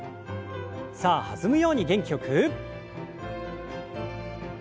さあ弾むように元気よく。